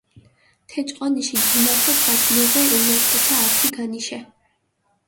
თე ჭყონიში გინახორხას ნოღვე ელნატკეცა ართი განიშე.